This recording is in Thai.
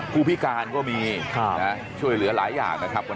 ครูพี่กาลก็มีนะครับช่วยเหลือหลายอย่างวันนี้